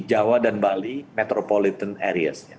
jawa dan bali metropolitan areas